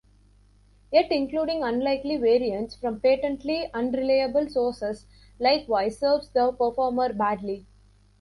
Yet including unlikely variants from patently unreliable sources likewise serves the performer badly.